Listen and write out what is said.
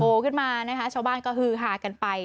ขึ้นมานะคะชาวบ้านก็ฮือฮากันไป